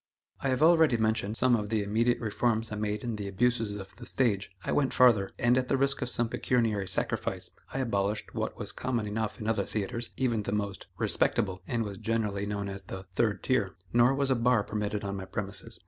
I have already mentioned some of the immediate reforms I made in the abuses of the stage. I went farther, and, at the risk of some pecuniary sacrifice, I abolished what was common enough in other theatres, even the most "respectable," and was generally known as the "third tier." Nor was a bar permitted on my premises.